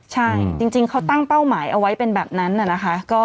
ใช่จริงเขาตั้งเป้าหมายเอาไว้เป็นแบบนั้นนะคะ